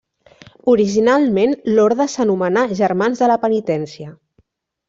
Originalment l'orde s'anomenà Germans de la Penitència.